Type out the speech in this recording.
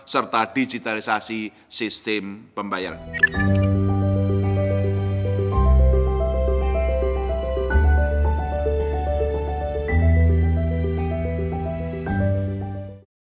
serta digitalisasi sistem pembayaran